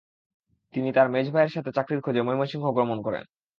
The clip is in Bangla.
তিনি তার মেজভাইয়ের সাথে চাকরির খোঁজে ময়মনসিংহ গমন করেন।